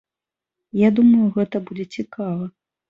Я думаю, гэта будзе цікава.